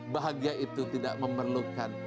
bahagia itu tidak memerlukan